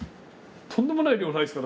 とんでもない量ないですか。